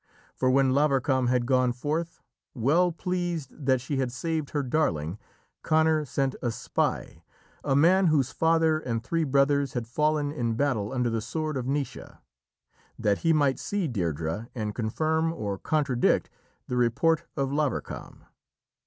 For when Lavarcam had gone forth, well pleased that she had saved her darling, Conor sent a spy a man whose father and three brothers had fallen in battle under the sword of Naoise that he might see Deirdrê and confirm or contradict the report of Lavarcam.